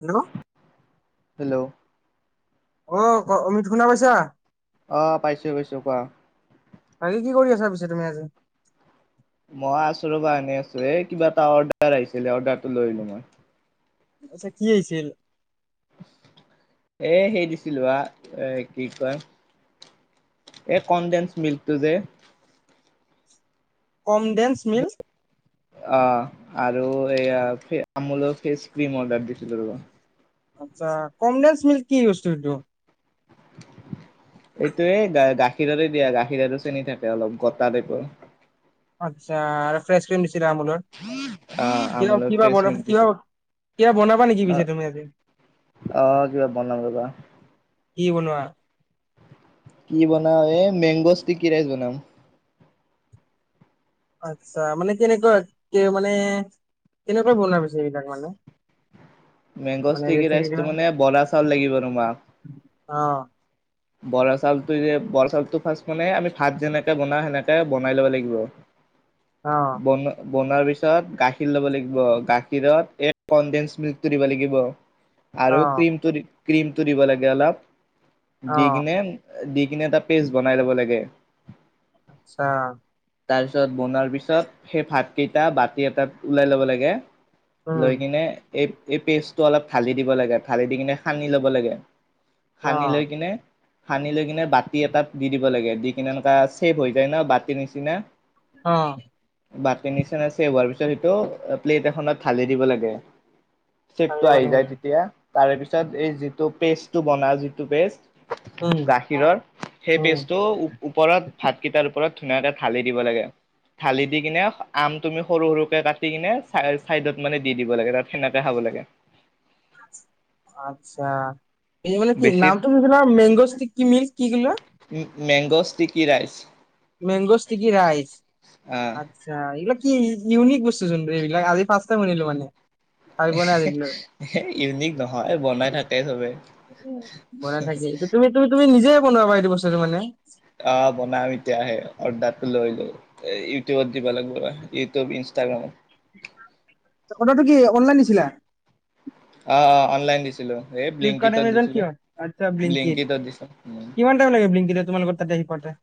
Hello. Hello. অ অমিত শুনা পাইছা? আহ পাইছো পাইছো কোৱা। বাকী কি কৰি আছা পিছে তুমি আজি? মই আছোঁ ৰবা এনে আছো এ কিবা এটা অৰ্ডাৰ আহিছিলে অৰ্ডাৰ লৈলো মই। আচ্ছা কি আহিছিল? এ সেই দিছিলো বা এ কি কয় এই কনডেন্স মিল্কটো যে। কমডেন্স মিল? অ আৰু এইয়া আমলৰ ফেচ ক্ৰ্ৰীম অৰ্ডাৰ দিছিলো লগত। আচ্ছা কমডেন্স মিল্ক কি বস্তুটো এইটো? এইটোয়ে গ গাখীৰতে দিয়া গাখীৰত চেনি থাকে অলপ গোটা টাইপৰ। আচ্ছা আৰু ফ্ৰেছ ক্ৰ্ৰীম দিছিলে আমোলৰ? অ কিয় আমুলৰ কিবা ফ্ৰেছ বন মিল্ক কিবা দিছিল কিবা বনাবা নেকি পিছে তুমি আজি? আহ কিবা বনাম ৰাবা। কি বনোৱা? কি বনাওঁ এই মেংগ স্তিকি ৰাইচ বনাম। আচ্ছা মানে কেনেকুৱা কে মানে কেনেকোৱা বনাবছে এইবিলাক মানে মানে মেংগষ্টিকী ৰেচিপিটো ৰাইজতো মানে বৰা চাউল লাগিব তোমাক অ বৰা চাউলটো বৰা চাউলটো ফাৰ্ষ্ট মানে আমি ভাত যেনেকে বনাও সেনেকে বনাই ল'ব লাগিব। অ বন বনোৱাৰ পিছত গাখীৰ ল'ব লাগিব গাখীৰত এই কনডেনস মিল্কটো দিব লাগিব। অ আৰু ক্ৰীম ক্ৰীমটো দিব লাগে অলপ, অ দি কিনে দি কিনে এটা পেষ্ট বনাই ল'ব লাগে। আচ্ছা, তাৰপিছত বনোৱাৰ পিছত সেই ভাতকেইটা বাতি এটাত ওতলাই ল'ব লাগে। উম লৈ কিনে এই এই পেষ্টটো অলপ ঢালি দিব লাগে, ঢালি দি কিনে সানি ল'ব লাগে। অ সানি লৈ কিনে সানি লৈ কিনে বাতি এটাত দি দিব লাগে দি কিনে এনেকোৱা চেভ হৈ যায় ন বাতিৰ নিচিনা। অ বাতি নিচিনা চেভ হোৱাৰ পি ছত সেইটো প্লেট এখনত ঢালি দিব লাগে। চেপটো আহি যায় তেতিয়া। তাৰে পিছত, এই যিটো পেষ্টটো বনা যিটো পেষ্ট উম গাখীৰৰ, সেই উম পেষ্টটো ও ওপৰত, ভাতকেইটাৰ ওপৰত ধুনীয়াকে ঢালি দিব লাগে। ঢালি দি কিনে, আম তুমি সৰু সৰুকে কাটি কিনে চা চাইডত মানে, দি দিব লাগে। তাৰ পিছত সেনেকে খাব লাগে। আচ্ছা এনে মান কি? বেছি নামটো নিছিনা মেংগ'জ টি কি মিল্কচ্‌ কি বোলে? Mangoes sticky rice. Mangoes sticky rice. আহ আচ্ছা এই বিলাক কি ইউনিক বস্তু চোন। এইবিলাক আজি ফাৰ্ষ্ট টাইম শুনিলোঁ মানে। ভাবি পোৱা নাই এহ্‌হে আজিলৈ হে, ইউনিক নহয়, বনাই থাকে চবে। বনাই থাকে। এইটো তুমি তুমিটো, তুমি নিজে বনাবা এইটো বস্তুটো মানে অ, বনাম এতিয়াহে অৰ্ডাৰটো লৈ লও এ ইউটিউবত দিব লাগব না, ইউটিউব, ইনষ্টাগ্ৰামত। ত্ অৰ্ডাৰটো কি অনলাইন দিছিলা? অ, অ অনলাইন দিছিলো। ফ্লিপকাৰ্ট এমেজন কি হ'য়? আচ্ছা, ব্লেংকিট ব্লিংকিটত দিছোঁ। উম, কিমান টাইম লাগে ব্লেংকিটত তোমাৰ লগত তাতে কৰোতে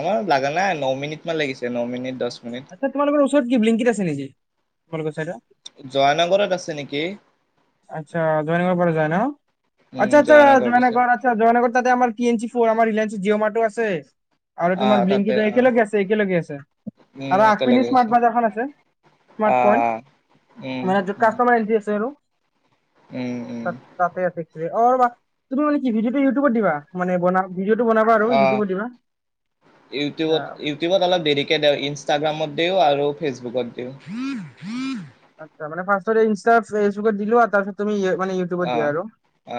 আমাৰ লাগা নাই। ন মিনিট মান লাগিছে, ন মিনিট, দশ আচ্ছা, তোমালোকৰ ওচৰত কি ব্লিংকিত আছে নেকি? তোমালোকৰ চাইডত্‌ জয়ানগৰত আছে নেকি? আচ্ছা, জয়ানগৰৰ ফালে যায় ন'? উম, আচ্ছা, আচ্ছা জয়ানগৰ দিছে। জয়নাগৰ আচ্ছা, জয়নাগৰ তাতে আমাৰ টি এন চি ফৰ আমাৰ ৰিলায়েঞ্চৰ জি'অমাটো আছে। আৰু তোমাৰ অ', তাতে ব্লিংকিট কেইটা অ', একেলগে আছে, একেলগে আছে উম, আৰু তাতে আগপিনে লাগি আছে। স্মাৰ্ট বজাৰখন আছে। অ', উম, স্মাৰ্টপইণ্ট মানে, য'ত উম। কাষ্টমাৰ এণ্টি আছে আৰু। উম, উম, তাত্‌ তাতে আছে। অ ৰ'বা, তুমি মানে কি ভিডিঅ'টো ইউটোপত দিবা? মানে বনা ভিডিঅ'টো বনাবা আৰু অ'। ইউটিউবত দিবা? আচ্ছা ইউটিউবত, ইউটিউবত অলপ দেৰিকে দেও ইনষ্টাগ্ৰামত্‌ তেও আৰু ফেচবুকতেও। আচ্ছা, মানে ৰ্ফাষ্টতে ইনষ্ট্ৰা, ফেচবুকত দিলোৱা তাৰপিছত তুমি ইয়ে মানে, ইউটিউবত দিয়া অ'। আৰু?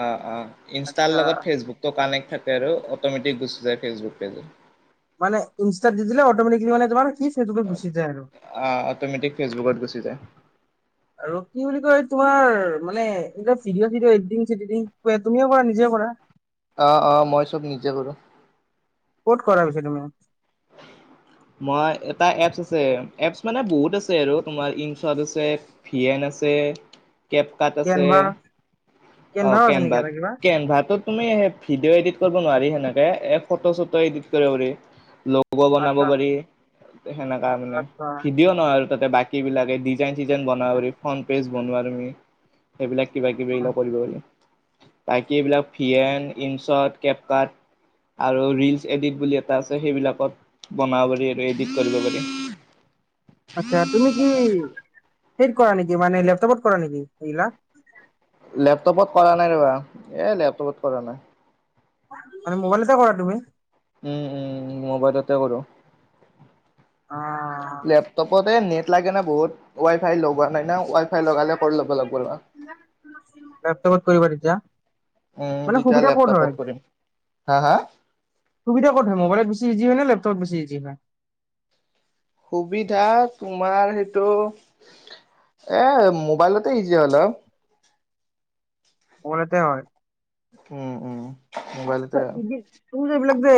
অ, অ ইনষ্ট্ৰাৰ আচ্ছা লগত ফেচবুকটো কানেক্ট থাকে আৰু অটমেটিক গুচি যায় ফেচবুক ফেচবুক মানে, ইনষ্ট্ৰাত দি দিলে অট'মেট্ৰিকলি মানে তোমাৰ কিচ সেইটোকে গুচি যায় আৰু, অ', অট'মেটিক ফেচবুকত গুচি যায়। আৰু কি বুলি কয়? তোমাৰ মানে ৰিলত ভিডিঅ -চিডিঅ, এডিটিং- চেডিটিং তুমিয়ে কৰা নিজে কৰা? অ, অ মই চব নিজে কৰো। ক'ত কৰা পিছে তুমি? মই, এটা এপছ আছে। এপছ মানে বহুত আছে আৰু তোমাৰ ইঞ্চট্‌ আছে, ফিয়েনে আছে কেপ্‌ কাট্‌ আছে। কেনভা অঁ, কেনভাও আছে কেনবা, নেকি এটা কিবা কেনভাটো তুমি ভিডিঅ' এডিট কৰিব নোৱাৰি সেনেকে ফটো- চটো এডিট কৰিব পাৰি। লগ্‌ লগো বনাব আচ্ছা পাৰি। সেনেকা মানে, আচ্ছা ভিডিঅ' নহয় আৰু তাতে বাকি বিলাকেহে। ডিজাইন ডিজাইনত বনাব পাৰি, ফ্ৰণ্ট পেজ বনোৱা তুমি। সেইবিলাক কিবা -কিবি আচ্ছা হ'লেও কৰিব পাৰে। বাকি এইবিলাক ফিয়েন, ইনঞ্চত, কেপ -কাট আৰু ৰিলচ এডিট বুলি এটা আছে। সেইবিলাকত বনাৱ যদি এইটো এডিত কৰিব পাৰি। আচ্ছা, তুমি কি সেইত কৰা নেকি? মানে, লেপ্‌টপত কৰা নেকি, সেইবিলা লেপ্‌টপত কৰা নাই ৰ'বা, এ লেপ্‌টপত কৰা নাই। মানে, মোবাইলতে কৰা তুমি? উম, উম মোবাইলতে কৰো। অ তে নেট লাগে ন বহুত ৱাই ফাই লগোৱা নাই না ৱাই ফাই লগালে কৰ ল'ব লাগিব ৰবা ব্যপ্ত কত কৰিবা তেতিয়া। উম মানে তেতিয়া সুবিধা ক'ত লেপটপত হয় কৰিম হা হা সুবিধা কত হয় মবাইলত বেছি। যি বুলে লেপটপত বেছি ইজি হয়। সুবিধা তোমাৰ সেইটো এ মোবাইলতে ইজি হল অঁ মোবাইল তে হয় উম উম। মোবাইলতে আত্সা তুমি যে এইবিলাক যে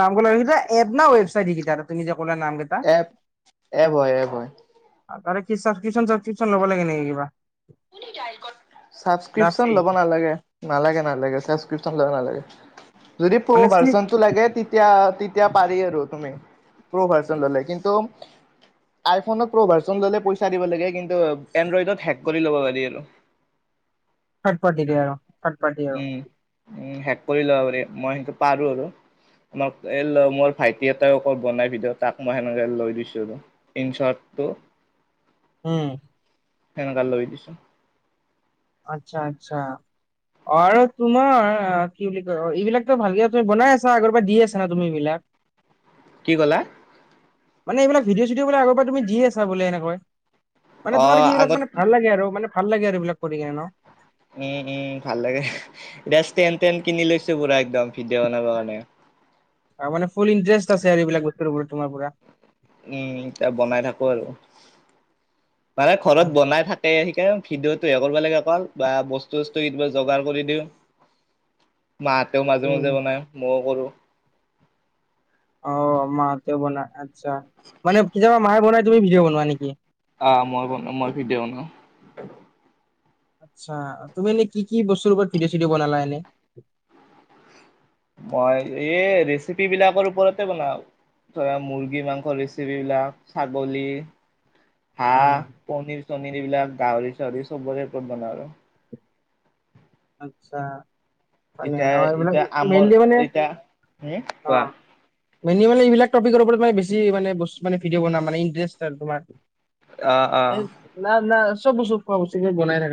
নাম ঘলে আহি যে এপ না ৱেবচাইট সেইকেইটা তুমি যে ক'লা নাম কেইটা এপ এব হয় এব হয় আৰু তাৰে কি চাব্ৰি্যন চাব্ৰপশন লব লাগে নেকি কিবা না ছাবক্ৰিপন ফ্ৰী লব নালাগে নালাগে নালাগে ছাবক্ৰিপন লব নালাগে। যদি প্ৰ মানে ফ্ৰী ভাৰ্চন টো লাগে তেতিয়া। এতিয়া পাৰি আৰু তুমি প্ৰভাৰচন ললে কিন্তু। আইফোনত প্ৰভাৰচন ললে পইচা দিব লাগে কিন্তু এনৰইদট। কৰি ল'ব পাৰি আৰু। থাৰ্ড পাৰ্টি দিয়ে অঁ থাৰ্ড পাৰ্টি অঁ। উ শেষ কৰি ল'ব পাৰি মই সেইটো পাৰো আৰু আমাক এ ল মোৰ ভাইটি এটাইও বনাই ভিডিঅ তাক মই সেনেকে লৈ দিছো ইনচৰ্টটো উম সেনে কাল লৈ দিছো। আচ্ছা আচ্ছা। অঁ আৰু তোমাৰ আ কি বুলি কয় অঁ এইবিলাকো ভালকে তুমি বনাই আছা আগৰ পৰা দি আছা না তুমি এইবিলাক। [unintelligible] কি কলা মানে এইবিলাক ভিডিঅ' চিডিঅ বিলাক আগৰ পৰা তুমি দি আছা বুলে এনে কয় মানে অ তোমাৰ কি এইবিলাক আগত মানে ভাল লাগে আৰু মানে ভাল লাগে আৰু এইবিলাক কৰি কিনে ন উম উম ভাল লাগে এতিয়া ষ্টেন টেন কিনি লৈছো পুৰা একদম ভিডিঅ বনাবৰ কাৰণে আৰু মানে ফুল ইণ্টাৰেষ্ট আছে এইবিলাক বস্তু তোমাৰ পৰা উম এতিয়া বনাই থাকো আৰু মানে ঘৰত আহ, বনাই থাকে সিকে ভিডিঅ'টো হে কৰিব লাগে অকল বা বস্তু চস্তু যোগাৰ কৰি দিওঁ। মাহঁতেও মাজে মাজে উম বনায় ময়ও কৰো। অঁ মাহতেওঁ বনাই আচ্ছা মানে কেতিয়াবা মাহে বনাই তুমি ভিডিঅ' বনোৱা নেকি। আহ মই বনা মই ভিডিঅ বনাওঁ আচ্ছা তুমি এনেই কি কি বস্তুৰ ওপৰত ভিডিঅ' চিডিঅ বনালা এনে। মই এই ৰেচিপি বিলাকৰ ওপৰতে বনাও ধৰা মুৰ্গী মাংসৰ ৰেচিপি বিলাক ছাগলী [unintelligible] অ হাঁহ পনিৰ চনিৰ এইবিলাক গাহৰি চাহৰি সবৰেপৰত বনাওঁ আৰু [unintelligible] আটচা মানে এতিয়া আহ এইবিলাক এতিয়া আমৰ মেইনলি মানে এতিয়া হম অ কোৱা মেইনলী মানে এইবিলাক তপিকৰ ওপৰত মান বেছি মানে বস্তু মানে ভিডিঅ বনাম মানে ইটাৰেষ্ট তাৰ তোমাৰ। আহ আহ না না চব বস্তু খোৱা বস্তু কে বনাই থাকো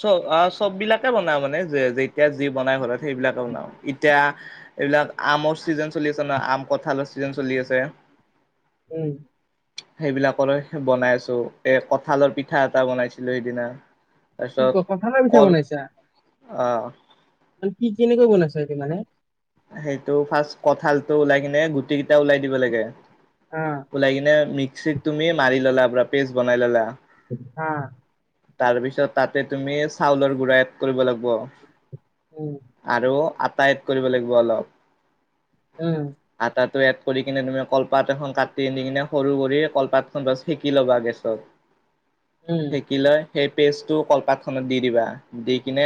চব অ চব বিলাকে বনাও মানে যে যে এতিয়া যি বনাই ঘৰত সেইবিলাকে বনাও এতিয়া এইবিলাক আমৰ চিজন চলি আছে নহ আম কঁঠালৰ ছিজন চলি আছে উম সেইবিলাকৰে বনাই আছো এ কঁঠালৰ পিঠা এটা বনাইছিলো সেইদিনা কি তাৰপিছত ক কঁঠালৰ পিঠা কল বনাইছা আহ মান কি কেনেকৈ বনাইছা এইটো মানে সেইটো ফাৰ্ষট কঠালতটো ওলাই কিনে গুটি কেইটা উওলাই দিব লাগে। অ ওলাই কিনে মিক্সিত তুমি মাৰি ললা পৰা পেষ্ট বনাই ললা। হ তাৰপিছত তাতে তুমি চাউলৰ গুড়া এড কৰিব লাগিব। উম। আৰু আটা এড কৰিব লাগিব অলপ। উম টো এড কৰি কিনে তুমি কলপাত এখন কাটি আনি কিনে সৰু কৰি কলপাত। পন্দছ শিকি ল'বা গেছত। উম সেকি লৈ সেই পেজটো কলপাত খনত দি দিবা দি কিনে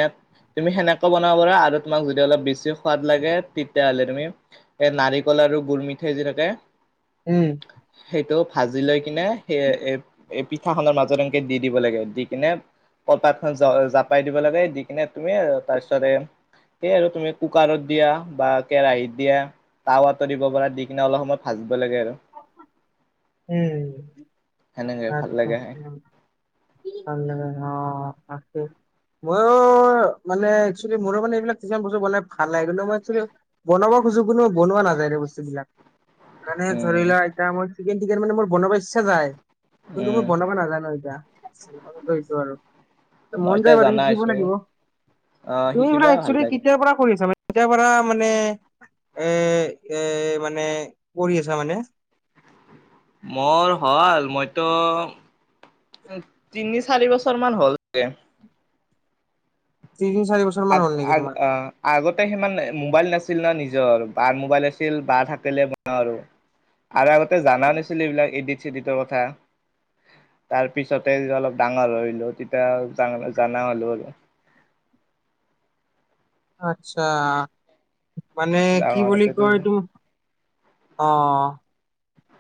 তুমি সেনেকো বনাব পাৰা আৰু তোমাক যদি অলপ বেছি সোৱাদ লাগে তেতিয়াহ'লে তুমি এ নাৰিকলৰ। আৰু গোল মিঠাই যি থাকে। উম সেইটো ভাজি লৈ কিনে সেই এ এ পিঠাখনৰ মাজত এনেকে দি। দিব লাগে দি কিনে কলপাতখন জাপাই দিব লাগে দি কিনে তুমি তাৰ পিছতে। সেই আৰু তুমি কুকাৰত দিয়া বা কেৰাহীত দিয়া তাৱাত দিব পৰাৰ দি কিনে অলপ সময় ভাজা। [unintelligible] বেলেগ লাগে আৰু উম সেনেকে ভাল আচ্ছা লাগে খাই [unintelligible] অ [unintelligible] মইও মানে এইবিলাক মোৰো মানে এইবিলাক কিছুমান বস্তু বনাই ভাল লাগে কিন্তু মইনলি বনাব। [unintelligible] এনেকুৱা কোনো বনোৱা নাযায়ৰে বস্তু বিলাক। [unintelligible] মানে ধৰি উম লোৱা এতিয়া মোৰ চিকেন টিক মানে মোৰ বনাব ইচ্ছা যায়। [unintelligible] কিন্তু উম মই বনাব নাজানো এতিয়া আনন্দ হৈছো আৰু। মন মই এতিয়া যায় বাৰু জনা সিকিব হৈছো লাগিব অ তুমি এইবাক শিকিবা ভাল একেল লাগে কেতিয়াৰ পৰা কৰিছা। [unintelligible] পূজা পৰা মানে এ এ মানে কৰি আছা মানে। মোৰ হল মইতো তিনি, চাৰি বছৰ মান হ'ল যে। তিনি চাৰি বছৰ আ, মান হ'ল নেকি তোমাৰ আ আগতে সিমান মোবাইল নাছিল ন নিজৰ। নিজ আৰু বাৰ মোবাইল আছিল বাৰ থাকিলে বনা আৰু। [unintelligible] আৰু আগতে জানা নছিলো এইবিলাক এডিট চিডিটৰ কথা। তাৰ পিছতে যে অলপ ডাঙৰ হৈলো তেতিয়া জানা হ'লো আৰু। [inaudible] আচ্ছা মানে কি বুলি কয় ডাঙৰ এইটো। অ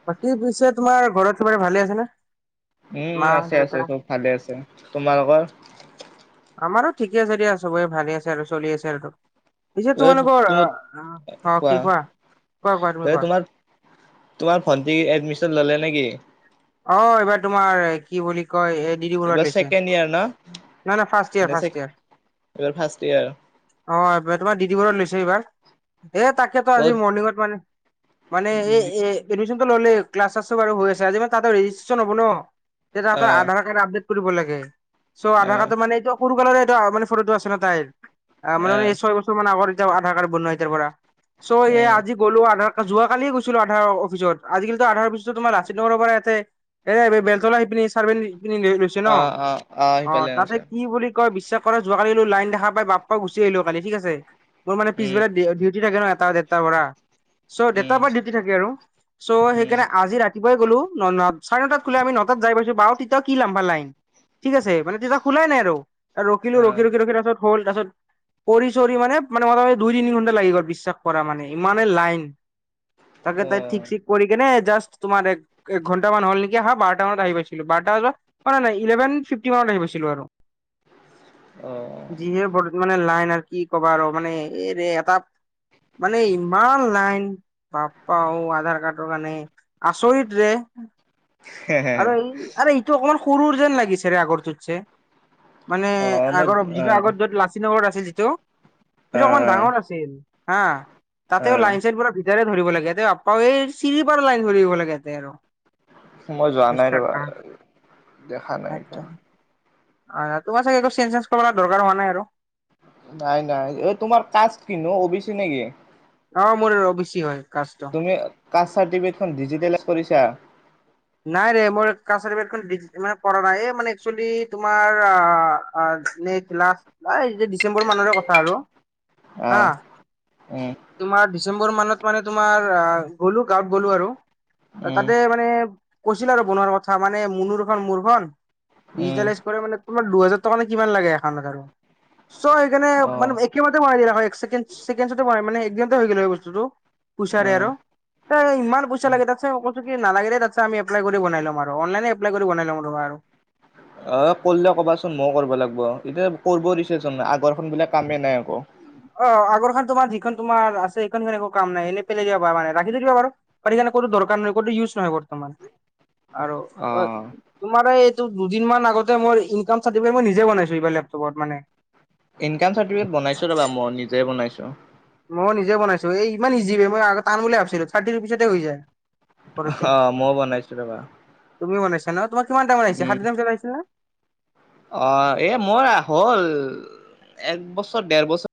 বাকী পিছে তোমাৰ ঘৰত তোমাৰ ভালে আছে নে। [unintelligible] উম মা আছে দেউতা আছে চব ভালে আছে তোমালোকৰ। আমাৰো ঠিকে আছে দিয়া চবে ভালে আছে আৰু চলি আছে আৰু। [unintelligible] পিছে এ তোমালোকৰ তুমি আহ অ কি কোৱা, কোৱা কোৱা এ তুমি কোৱা। তোমাৰ তোমাৰ ভণ্টি এডমিচন ল'লে নে কি অ এইবাৰ তোমাৰ কি বুলি কয় এই ডি টি বৰুৱাত এইবাৰ লৈছে ছেকেণ্ড ইয়াৰ ন নাই নাই ফাৰ্ষ্ট ইয়েৰ নে ফাৰ্ষ্ট এইবাৰ ইয়েৰ ফাৰ্ষ্ট ইয়াৰ অ এবা তোমাৰ ডি টি বৰুৱাত লৈছে এইবাৰ। এ তাকেতো আজি মৰ্ণিঙত মানে মানে এ অ এ এডমিচনটো ল'লেই ক্লাছ চাছ টো বাৰু হৈ আছে। আজি মই তাতো ৰেজিষ্ট্ৰেচন হ'ব ন তে তাহঁতৰ আধাৰ কাৰ্ড আপডেট কৰিব লাগে। চ' আধাৰ কাৰ্ডটো মানে এইটো সৰুকালৰে এইটো মানে সৰু টো আছে ন তাইৰ অ মানে এই ছয় বছৰ মান আগৰ তে আধাৰ কাৰ্ড বনোৱা এতিয়াৰ পৰা চ' এই আজি গ'লো আধাৰ কাৰ্ড যোৱাকালিয়ে গৈছিলো আধাৰ অফিচত আজিকালিটো আধাৰ অফিচটো তোমাৰ লাচিত নগৰ পৰা এতে এ বেলতলা সিপিনি চাৰি সেইপিনি লৈ লৈছে ন, অ তাতে কি বুলি কয় বিশ পৰা যোৱাকালিলৈ লাইন দেখা পাই বাপা গুছি আহিলো কালি ঠিক আছে। মোৰ মানে পিছবেলা ডি ডিউটি থাকে ন এটা দেৰটাৰ পৰা। চ' দেটাৰ পৰা ডিউটি থাকে আৰু চ' সেইকাৰণে আজি ৰাতি পুৱাই গ'লো ন ন চাৰে নটাত খোলে আমি নটাত যাই পাইছোঁ বাৰ তি কি লামবা লাইন ঠিক আছে মানে তেতিয়া খোলাই নাই আৰু ৰখিলো ৰখি ৰখি ৰখি তাপাছত হ'ল তাপাছত কৰি চৰি মানে মানে মোটামুটি দুই তিনি ঘণ্টা লাগি গল বিশ্বাস কৰা মানে ইমানে লাইন তাকে তাই ঠিক চিক কৰি কেনে জাষ্ট তোমাৰ এক ঘণ্টামান হ'ল নেকি অহা। বাৰটা মানত আহি পাইছিলো বাৰটা বজাত অ নাই নাই ইলেভেন ফিফটি মানত আহি পাইছিলো আৰু যিহে বৰ্ত মানে লাইন কি কবা আৰু মানে এইৰে এটা মানে ইমান লাইন বাপ পা অও‌ আধাৰ কাৰ্ডৰ কাৰণে আচৰিত ৰে অ আৰু এই আৰে এইটো অকমান সৰু যেন লাগিছে ৰে আগৰটোত চে মানে মই আগৰ অ যিটো আগত য'ত লাচিত নগৰত আছিল যিটো অ সেইটো অকমান ডাঙৰ আছিল হা অ তাতেও লাইন চাইন পুৰা ধৰিব লাগে বাপা এ চিৰি পাৰা লাইন ধৰিব লাগে ইয়াতে আৰু মই যোৱা নাই বিশ্বাস ৰবা কৰা দেখা নাই আচ্ছা এতিয়া তোমাৰ চাগে একো চেঞ্চ তেঞ্চ কৰিবলৈ দৰকাৰ হোৱা নাই আৰু নাই নাই এই তোমাৰ কাজ কিনো অ বি চি নেকি অ মোৰ অ বি চি হয় কাষ্টটো তুমি কাৰ্ড চাৰ্টিফিকেট খন ডিজিটেলাইজ কৰিছাঁ নাই ৰে মোৰ কাৰ্ড চাৰ্টিফিকেট খন ডি মানে কৰা নাই এ মানে একচেলি তোমাৰ আহ এই ডিচেম্বৰ মানৰে কথা আৰু হা অহঁ তোমাৰ ডিচেম্বৰ মানত মানে তোমাৰ গ'লো গাঁৱত গ'লো আৰু উম তাতে মানে কৈছিল আৰু বনোৱাৰ কথা মানে মুনুৰখন মোৰখন উম ডিজিটেলাইজ কৰে মানে তোমাৰ দুহেজাৰ টকা নে কিমান লাগে এখনত আৰু চ' সেইকাৰণে অ মানে একেবাৰতে বনাই দিয়ে এক চেকেণ্ড চেকেণ্ডছতে বনাই মানে একদিনতে হৈ গ'ল হৈ বস্তুটো অ পইছাৰে আৰু এ ইমান পইছা লাগে তাতচে কৈছোঁ কি নালাগে দেই তাতচে আমি এপ্লাই কৰি বনাই ল'ম আৰু অনলাইনে এপ্লাই কৰি বনাই লম তোমাৰ আৰু [inaudible] অ কৰিলে ক'বাচোন ময়ো কৰব লাগব এতিয়া কৰিবও দিছেচোন আগৰখন বোলে কামে নাই একো অ আগৰখন তোমাৰ যিখন তোমাৰ আছে সেইখন খন একো কাম নাই এনে পেলাই দিব পাৰা মানে ৰাখি থৈ দিব পাৰ কোনো দৰকাৰ নহয় ক'তো ইউজ নহয় বৰ্তমান আৰু অ তোমাৰ এইটো দুদিন মান আগতে মোৰ ইনকাম চাৰ্টিফিকেট মই নিজে বনাইছো এইবাৰ লেপটপত মানে ইনকাম চাৰ্টিফিকেট বনাইছো ৰবা মই নিজে বনাইছোঁ। মও নিজে বনাইছোঁ এই ইমান ইজি বে মই আগত টান বুলি ভাবিছিলো থাৰ্টি ৰোপিছতে হৈ যায়। ঘৰতে অ মইও বনাইছো ৰবা তুমি বনাইছা নহ তোমাৰ কিমান টাইমত আহিছে সাতটা ভিতৰত আহিছিল নে অহঁ এহ মোৰ হ'ল এক বছৰ দেৰ বছৰ